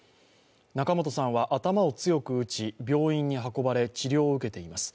仲本さんは頭を強く打ち、病院に運ばれ治療を受けています。